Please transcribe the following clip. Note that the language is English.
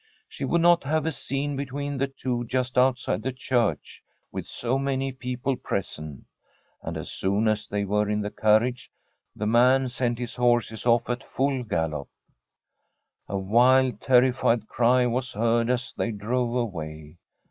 She would not have a scene between the two just outside the church, with so many people present And as soon as they were in the car riage the man sent his horses off at full gallop. A wild, terrified cry was heard as they drove away.